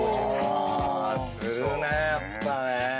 するねやっぱね。